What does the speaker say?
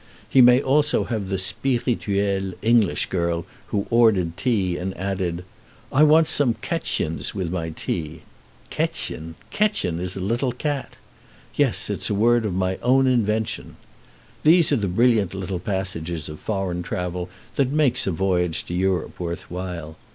He may also have the spirituelle English girl who ordered tea, and added, "I want some kätzchens with my tea." "Kätzchens! Kätzchen is a little cat." "Yes; it's a word of my own invention." These are the brilliant little passages of foreign travel that make a voyage to Europe worth while.